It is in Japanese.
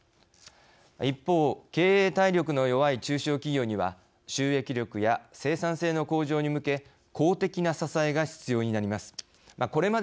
一方、経営体力の弱い中小企業には、収益力や生産性の向上に向け公的な支えが必要になります。